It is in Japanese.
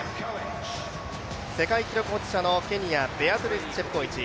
世界記録保持者のケニア、ベアトリス・チェプコエチ。